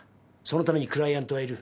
そのためにクライアントはいる。